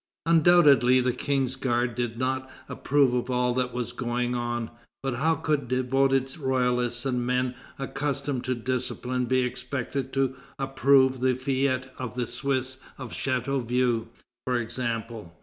Undoubtedly the King's guards did not approve of all that was going on. But how could devoted royalists and men accustomed to discipline be expected to approve the fête of the Swiss of Chateauvieux, for example?